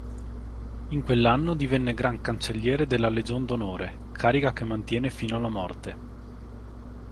In quell'anno divenne Gran Cancelliere della Legion d'onore, carica che mantiene fino alla morte.